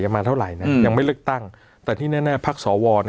ยังมาเท่าไรน่ะอืมยังไม่เลือกตั้งแต่ที่แน่พักสอวรเนี่ย